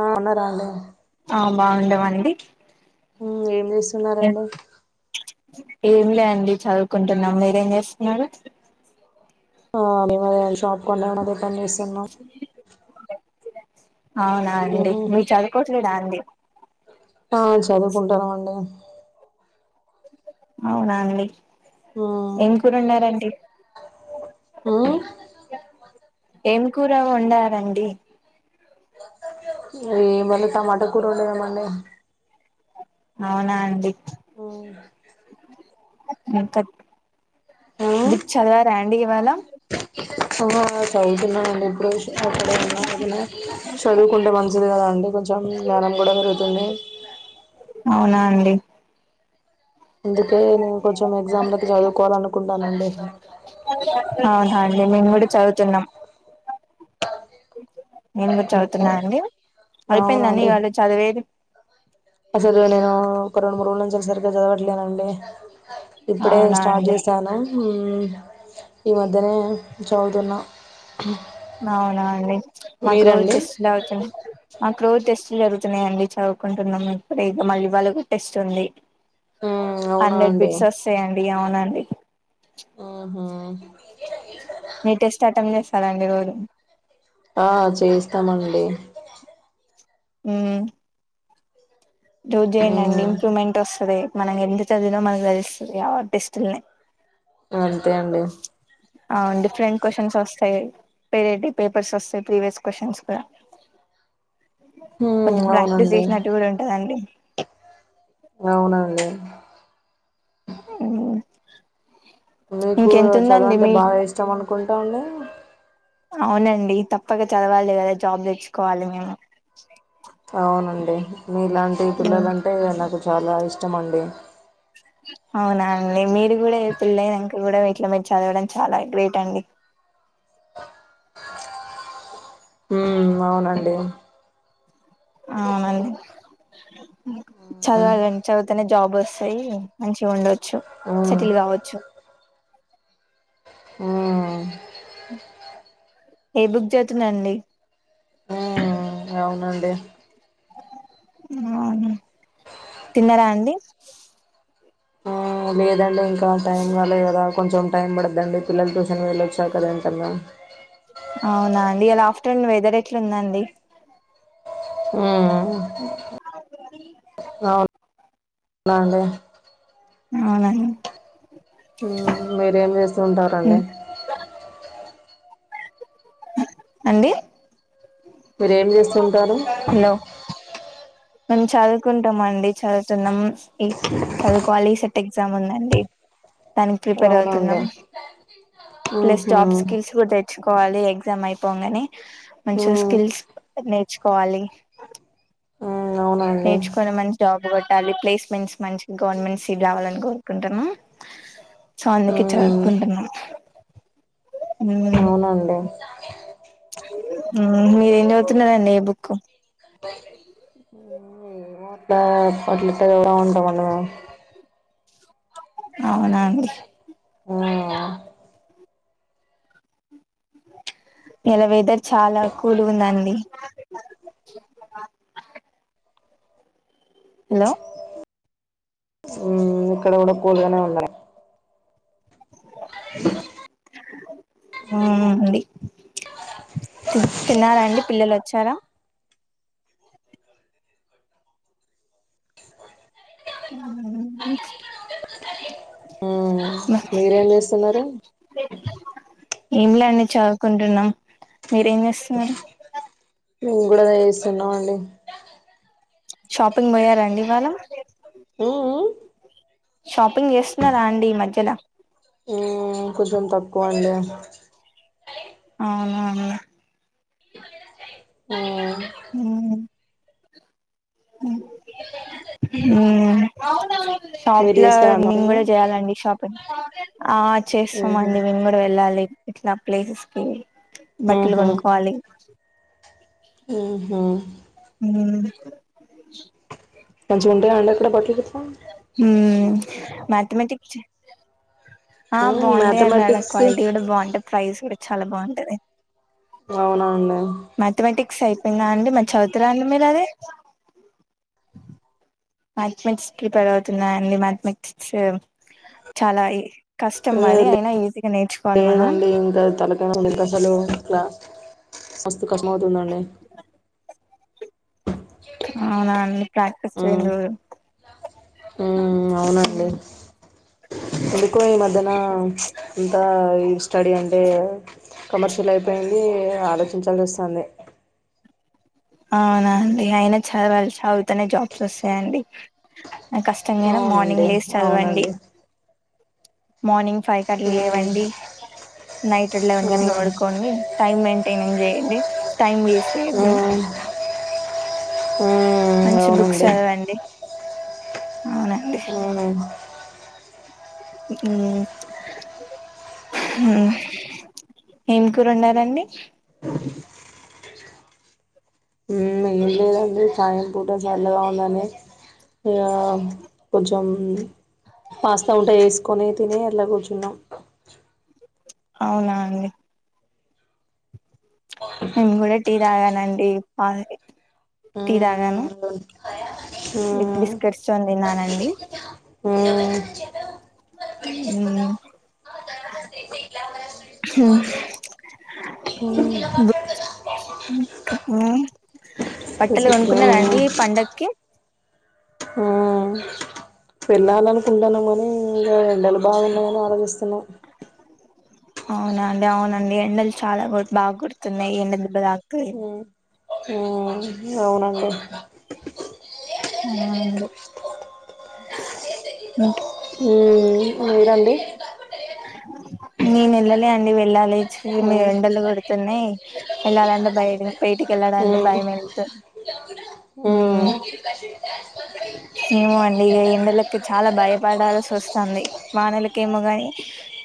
ఆ అన్నారాండే. ఆ బాగుండవండి. హ్మ్ ఏం చేస్తున్నారండి. ఏంలే అండి చదువుకుంటున్నాం. మీరేం చేస్తున్నారు. ఆ మేం ఈ మధ్యనే షాప్ కొందామని. పన్ చేస్తున్నాం. చినచ్చ్ అవునా అండి. మీరు చదువుకోవట్లేదాండి. అ ఆ చదువుకుంటానామండి. అవునా అండి. ఉమ్ ఏం కూర ఉన్నారంటే. ఉమ్ ఏం కూర వండారండి. ఈ మళ్ళీ టమాటా కూరే వండినామండి. అవునా అండి. ఎంతక్ ఉమ్ బుక్ చదివారాండి. ఇవాళ్ళ [unintelligible] చదువుతున్నానండి. ఇప్పుడే అక్కడ [unintelligible] చదువుకుంటే మంచిది. కదా అండి కొంచెం జ్ఞానం కూడా పెరుగుతుంది. అవునా అండి. అందుకే నేను కొంచెం ఎగ్జామ్ లోకి చదువుకోవాలనుకుంటానండి. చున్నాం. నేను కూడా చదువుతున్నా అండి. అయిపోయిందండి. అవునండి ఇవాళ చదివేది. అసలు నేను ఒక రెండు, మూడు రోజుల నుంచి సరిగ్గా చదవట్లేనండి. ఇప్పుడే అవునా స్టార్ట్ అండి చేశాను. హ్మ్ ఈ మధ్యనే చదువుతున్నా మా అవునా అండి. మాకు రోజు మీరండి టెస్ట్ బ్లాక్స్ ఉంది. మాక్ రోజు టెస్టులు జరుగుతున్నాయి అండి చదువుకుంటున్నాము ఇప్పుడ ఇక మళ్ళీ వాళ్ళ కూడా టెస్ట్ ఉంది మ్మ్ అవునా హండ్రెడ్ అండి బిట్స్ వస్తాయండి అవునండి ఆ స్లాడి పో ఆ చేస్తామండి ఉ రోజ్ చెయ్యండండి మ్మ్ ఇంప్రూవ్మెంట్ వస్ అది మనం ఎంత చదివిన మనన్నీ చదిస్తుంది కాబట్టి టెస్టుల్నే అంతే అండి అవున్ డిఫరెంట్ క్వశ్చన్స్ వస్తయ్ పేరెడ్డి పేపర్స్ వస్తయి ప్రీవియస్ క్వశ్చన్స్ కా మ్మ్ కొంచెం ప్రాక్టీస్ అవునండి చేసినట్టు కూడా ఉంటదండి అవునండి ఉ నీకు చదువంటే బాగా ఇష్టం అనుకుంటా అండి అవునండి తప్పక చదవాలి గదా జాబ్ తెచ్చుకోవాలి మేము డే మీ ఇలాంటి పిల్లల మ్మ్, అంటే ఇగా నాకు చా చాలా ఇష్టమండి అవునా అండి మీరు గూడా ఇగ పెళ్ళయినాంక గూడా ఇట్ల మీరు చదవడం చాలా గ్రేట్ అండి ఉ అవునండి అవునండి మ్మ్ చదవాలండి చదువ్ తనే జాబ్ వస్తాయి మంచిగుండొచ్చు మ్మ్ సెటిల్ కావచ్చు ఉమ్ ఏ బుక్ చేతున్నాండి ఉమ్ అవునండి అవును తిన్నారా అండి ఆ వేదాలు వాన్ టైమ్ బాలేదు కదా కొంచెం టైం పడదండి పిల్లలు టూషన్ వెళ్ళొచ్చారు కదా ఎంతన్నా అవునా అండి ఇలా ఆఫ్టర్నూన్ వెదర్ ఏట్లుందండీ ఉ ఉ అవున్ నండి అవునండి మీరేం చేస్తు ఉంటారండి అండి మీరేం చేస్తుంటారు హలో మేము చదువుకుంటాం అండి చదువుతున్నాం ఈ చదువు క్వాలిసేట్ ఎగ్జామ్ ఉందండి దానికి ప్రిపేర్ అవునండి అవుతున్నాం ప్లేస్ ఉహు జాబ్ స్కిల్స్ కూడా తెచ్చుకోవాలి ఎగసామ్ అయిపోంగనే మంచి ఉమ్ స్కిల్స్ నేర్చు పోవాలి ఆ నేర్చుకొని మంచి జాబ్ కొ లి ప్లేస్మెంట్స్ మంచి గవర్నమెంట్ సీటు రావాలని కోరుకుంటున్నా సో అందుకే ఉమ్ చదువుకుంటున్నా ఉ అవునండి ఆ మీది నేవుతున్నదండీ ఈ బుక్కు ఏమో అట్ల అవునండి ఊ ఇలా వెదర్ చాలా కూల్ ఉందండి హలో ఉమ్ ఇక్కడ గూడా కూల్ గానే ఉంద అ ఊ అండి తిన్నారా అండి పిల్లలు వచ్చారా ఆ మ్మ్ మీరేం జేస్తున్నారు ఏంలా అండి చదువుకుంటున్నాం మీరేం చేస్తున్నారు మేము గూడా అదే జేస్తున్నాం అండి షాపింగ్ పోయారాండి ఇవాళ ఉ ఉ షాపింగ్ చేస్తున్నారా అండి ఈ మధ్యలా కొంచెం తక్కువ అండి అవునా అ ఊ షాప్ మీరు లో చేస్తారా అండి మేము షాపింగ్ గూడా చేయాలండి షాపింగ్ ఆ చేస్తామండి మేము కూడా వెళ్ళాలి ఇట్లా ప్లేసెస్ కి బట్టలు కొనుక్కోవాలి ఊహు ఉ ఉంటాయండి అక్కడ బట్లు గిట్ల మ్యాథమెటిక్స్ ఆ మ్మ్ బాగుంటాయండి ఆడ మ్యాథమెటిక్స్ క్వాలిటీ కూడా బాగుంటే ప్రైస్ కూడా చాలా బాగుంటది అవునా అండి మాథమాటిక్ సిక్స్ అయిపోయిందా అండి మరి చదువుతున్నారా అండి మీరు అది మాథమాటిక్స్ ప్రిపేర్ అవుతున్నా అండి మాథమాటిక్స్ చాలా కష్టం ఏ అది అయినా ఈజీ లేదండి ఇంకా తలకా అసలు ఇట్లా మస్తు కసమ అవుతుందండి అవునాండి హ్మ్ హ్మ్ అవునండి ఎందుకో ఈ మధ్య నా స్టడీ అంటే కామర్షియల్ అయిపో అది ఆలోచించాల్సి వస్తాంది అవునా అండి అయినా చదవాలి చదువుతనే జాబ్స్ వస్తాయండి నా కష్టంగా అయినా అవునండి మార్నింగ్ లేసి చదవండి అవునండి మార్నింగ్ ఫైవ్ కట్లు ఉమ్, లేవండి నైట్ లెవెన్ కట్లు ఉమ్, పడుకోండి టైమ్ మెయింటైన్ చేయండి టైమ్ వేస్ట్ చేయదు హ్మ్ మంచి బుక్స్ అవునండి చదవండి అవునండి అవును ఏం కూర ఓండారండి లేదు అండి సాయంత్రం పూట చల్లగా ఉంది అని ఇగ కొంచం పాస్ట ఉంటే చేసుకొని కొంచం అలా కూర్చున్నాము అవునా అండి నేను కూడా టీ తాగానండి పా టీ తాగాను హ్మ్ తెర్చొ తిన్నానండి హ్మ్ ఉమ్ బట్టలు కొనుకున్నరండి పండగకి వెళ్ళాలి అనుకుంటాన్నాం కానీ ఇంకా ఎండలు బాగున్నా ని ఆలోచిస్తున్నాం అవునాండి అవునండి ఎండలు చాలా బాగా కోడుతున్నాయి ఎండ దెబ్బ తాకుతది హ్మ్ హ్మ్ అవునండి అవునండి హ్మ్ మీరు అండి నేను వెళ్ళలే అండి వెళ్ళాలి మీ ఎండలు కొడుతున్నాయి వెళ్ళాలంటే బయ బయటికి వెళ్ళాలంటే ఆ భయం వెతుంది ఉమ్ అవునండి ఏమో అండి ఇ ఎండలకి చాలా భయపడాల్సి వస్తుంది వానకి కెమోగాని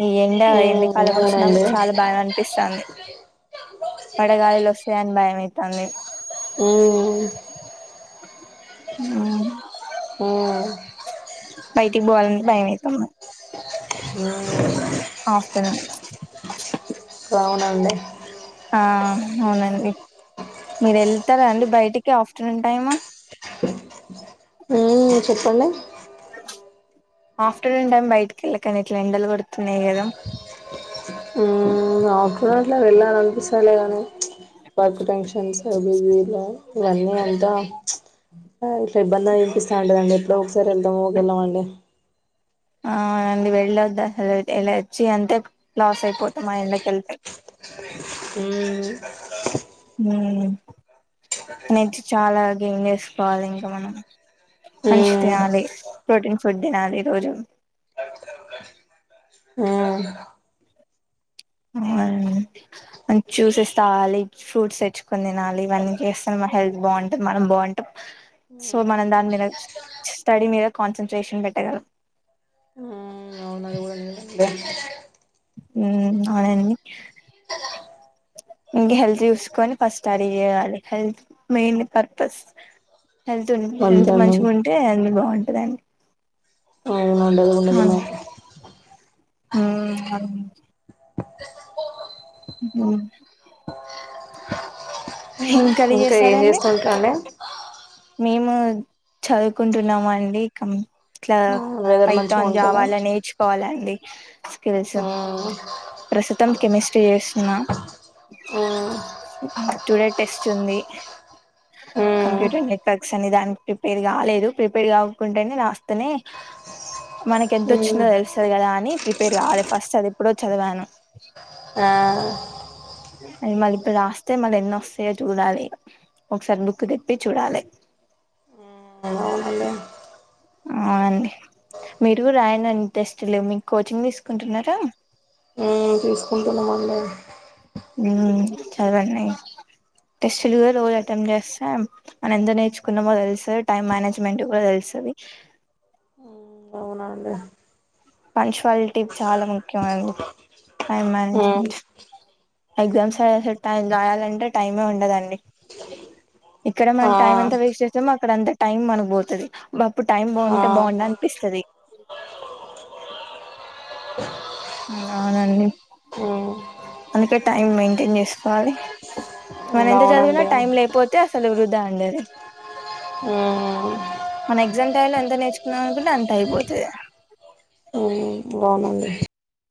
ఇయా అంటే ఉమ్ ఉమ్ ఉమ్, ఎండికాలం వచ్చినప్పుడు చాలా బాగా అనిపిస్తాంది వడగాయలు వస్తాయని భయమయితంది మ్మ్ ఆ అ బయటికి పోవాలంటే భయమతంది అఫ్టర్నూన్ బావున్నామండీ ఆ అవునండి మీరు వెళ్తారా అండి బయటికి ఆఫ్టర్నూన్ టైమ్ హ్మ్మ్ చెప్పండి ఆఫ్టర్నూన్ టైమ్ బయటికి వెళ్ళకని ఇట్లా ఎండలు కొడుతున్నాయి కదా ఈ ఆఫటర్నూలో వెళ్ళాలని అనిపిస్తాలేదు అండి వర్క్ టెన్షన్స్ లో బిజీలో ఇవ్వన్ని అంతా తాగ్ స ఇబ్బందిలు అనిపిస్తా ఉంటుదండి ఎప్పుడ ఒకసారి వెళ్దామో ఒక వెెళామండి ఆవునండి వెళ్ళొద్దు అసలు ఇలా వచ్చి అంతే లాస్ అయిపోతా మా ఎండకి వెళ్తే ఉమ్ నే ఎనెర్జ్ చాలా గేం చేసుకోవాలి ఇంకా మనం మంచి ఉమ్ తయాలి ప్రోటీన్ ఫుడ్ తినాలి రోజు ఉమ్ అ చూసేస్తవాలి ఫ్రూట్స్ తెచ్చుకొని తినాలి ఇవన్నీ చేస్త మన హెల్త్ బాగుంటుంది మనం బాగుంటాం సో మనం దాని మీద స్టడీ మీద కాన్సన్ట్రేషన్ పెట్టగలం బ మ్మ్ అవునండి ఇంకా హెల్త్ చూసుకొని ఫస్ట్ అది చేయాలి హెల్త్ మెయిన్ పర్పస్ హెల్త్ ఉన్ హెల్త్ వంతనం మంచిగా ఉంటే అన్ని బాగుంటాయి ఉంటదండి అన్న [inaudible] ఆ అవునండి మ్మ్ అవును ఇంకా ఏం చేసారండి చేస్తు కాంటే మేము చదువుకుంటున్నాము అండి ఇక ఇట్లా వెదర్ మంచిగా ఫైతన్ జావా ఉంటుందా అలా నేర్చుకోవాలండి తెలుసు మ్మ్ ప్రసతి మొత్తం కెమిస్ట్రీ చేస్తున్నా స్టూడెంట్ టెస్ట్ ఉంది మ్మ్ కంప్యూటర్ నెస్ ప్రస్ అని దానికి ప్రిపేర్ కాలేదు ప్రిపేర్ కాకుంటేనే రాస్తనే మనకి ఎంత మ్మ్ మ్మ్ వచ్చిందో తెలుస్తది కదా అని ప్రిపేర్ కాలేదు ఫస్ట్ అది ఎప్పుడో చదివాను ఆ అ మళ్ళీ ఇప్పుడు రాస్తే మళ్ళ ఎన్నొస్తాయో చూడాలి ఒకసారి బుక్ తిప్పి చూడాలి అవునండి అవునండి మీరు రాయండండి టెస్టులు మీకు కోచింగ్ తీసుకుంటున్నారా నేను తీసుకుంటున్నామండి చదండి టెస్ట్లు కూడా రోజు అటెండ్ చేస్తా మన ఎంద నేర్చుకున్నామో తెలుసంది టైం మేనేజ్మెంట్ కూడా తెలుసంది ఉమ్ అవునండి పంక్షువాలిటీ చాలా ముఖ్యం అండి టైం మ్మ్ మేనేజ్మెంట్ ఎగ్జామ్స్ అ ట రాయాలంటే టైమే ఉండదండి ఇక్కడ ఆ మనం టైం ఎంత వేస్ట్ చేస్తే మాకు ఇప్పుడు అంత టైం మనకుపోతది అప్పుడు టైం ఆ బాగుంటే బాగు అనిపిస్తది అవునండి మ్మ్ అందుకే టైం మెయింటైన్ చేసుకోవాలి మన ఎంత చదివిన అవునండి టైం లేకపోతే అసలు వృధా అండది మ్మ్ మన ఎగ్జామ్ టైంలో ఎంత నేర్చుకున్నాం అనుకుంటే అంత అయిపోతుంది మ్మ్ అవునండి